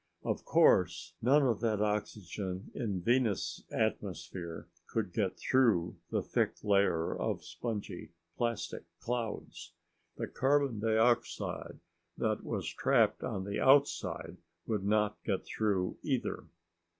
Of course, none of that oxygen in Venus' atmosphere could get through the thick layer of spongy plastic clouds. The carbon dioxide that was trapped on the outside would not get through either.